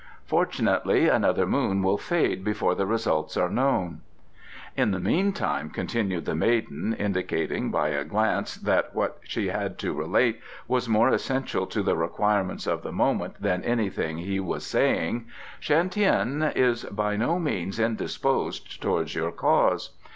Fortunately another moon will fade before the results are known " "In the meantime," continued the maiden, indicating by a glance that what she had to relate was more essential to the requirements of the moment than anything he was saying: "Shan Tien is by no means indisposed towards your cause.